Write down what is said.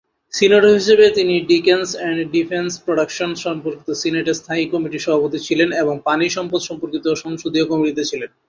Senator হিসাবে তিনি defence and defence production সম্পর্কিত সিনেটের স্থায়ী কমিটির সভাপতি ছিলেন এবং পানি সম্পদ সম্পর্কিত সংসদীয় কমিটিতে ছিলেন।